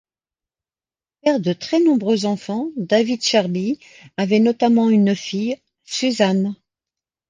Père de très nombreux enfants, David Charbit avait notamment une fille, Suzanne.